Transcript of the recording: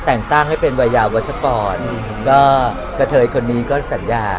แต่งตั้งให้เป็นวัยยาวัชกรก็กะเทยคนนี้ก็สัญญา